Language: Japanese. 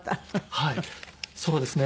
はいそうですね。